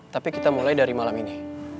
tapi kita mulai dari malam ini